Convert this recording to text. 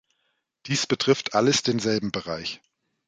Dies betrifft alles denselben Bereich.